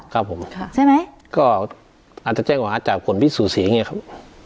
ครับผมค่ะใช่ไหมก็อาจจะแจ้งหวานจากคนพิสูจน์สีอย่างเงี้ยครับ